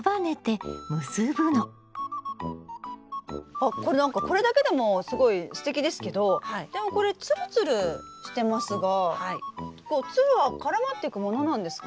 あこれなんかこれだけでもすごいすてきですけどでもこれツルツルしてますがツルは絡まっていくものなんですか？